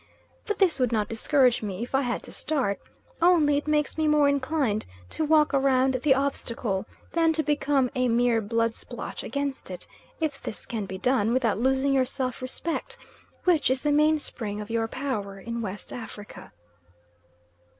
But this would not discourage me if I had to start, only it makes me more inclined to walk round the obstacle, than to become a mere blood splotch against it, if this can be done without losing your self respect, which is the mainspring of your power in West Africa.